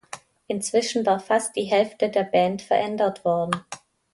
Inzwischen war fast die Hälfte der Band verändert worden.